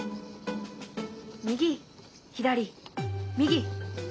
右左右左。